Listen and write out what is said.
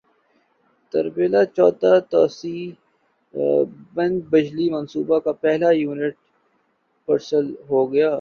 تربیلا چوتھے توسیعی پن بجلی منصوبے کا پہلا یونٹ پریشنل ہوگیا